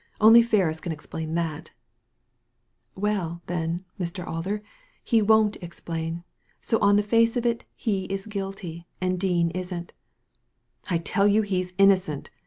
Only Ferris can explain that" "Well, then, Mr. Alder, he won't explain. So on the face of it he is guilty, and Dean isn't" " I tell you he is innocent